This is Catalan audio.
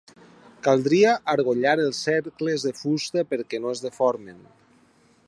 Caldria argollar els cercles de fusta perquè no es deformin.